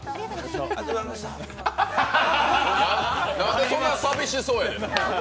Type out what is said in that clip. なんでそんなに寂しそうやねん。